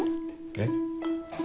えっ？